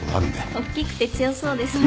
おっきくて強そうですもんね。